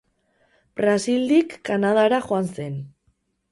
Brasildik Kanadara joan zen.